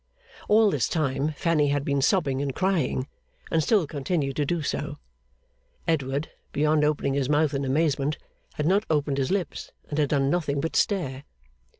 All this time Fanny had been sobbing and crying, and still continued to do so. Edward, beyond opening his mouth in amazement, had not opened his lips, and had done nothing but stare.